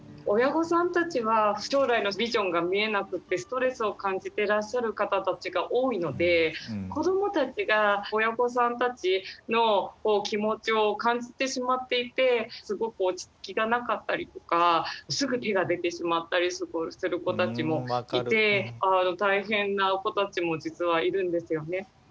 親御さんたちは将来のビジョンが見えなくってストレスを感じてらっしゃる方たちが多いので子どもたちが親御さんたちの気持ちを感じてしまっていてすごく落ち着きがなかったりとかすぐ手が出てしまったりする子たちもいて大変な子たちも実はいるんですよね。